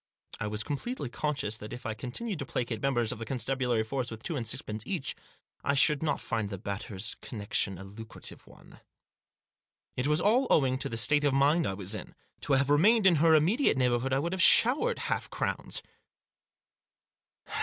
I was completely conscious that if I continued to placate members of the con stabulary force with two and sixpence each I should not find the Batters' connection a lucrative one. It was all owing to the state of mind I was in. To have remained in her immediate neighbourhood I would have showered half crowns.